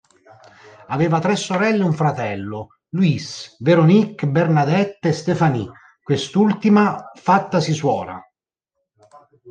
Aveva tre sorelle e un fratello: Louis, Véronique, Bernadette e Stephanie, quest'ultima fattasi suora.